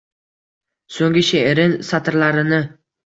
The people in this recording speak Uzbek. So’nggi she’rin satrlarini.